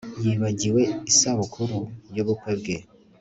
Yibagiwe isabukuru yubukwe bwe